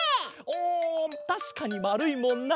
おたしかにまるいもんなあ。